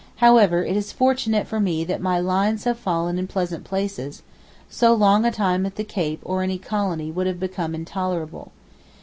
However it is fortunate for me that 'my lines have fallen in pleasant places,' so long a time at the Cape or any Colony would have become intolerable.